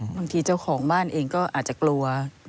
เจ้าของบ้านเองก็อาจจะกลัว